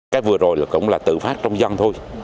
cái vừa rồi cũng là tự phát trong dân thôi